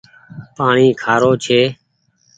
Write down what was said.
پآڻيٚ کآرو ڇي۔